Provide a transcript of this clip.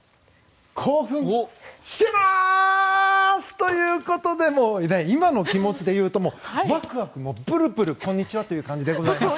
興奮してます！ということで今の気持ちで言うとワクワク、プルプルこんにちはという感じです。